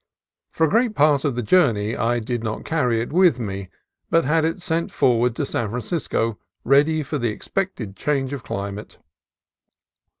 For a great part of the journey I did not carry it with me, but had it sent forward to San Francisco ready for the expected change of climate.